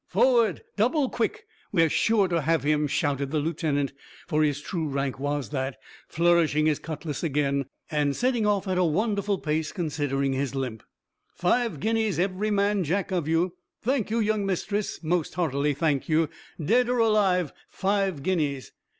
"Forward, double quick! We are sure to have him!" shouted the lieutenant for his true rank was that flourishing his cutlass again, and setting off at a wonderful pace, considering his limp. "Five guineas every man Jack of you. Thank you, young mistress most heartily thank you. Dead or alive, five guineas!"